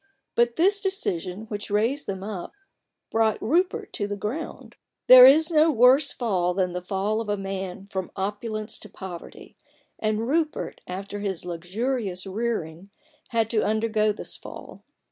But this decision, which raised them up, brought Rupert to the ground. There is no worse fall than the fall of a man from opulence to poverty; and Rupert, after his luxurious rearing, had to undergo this fall.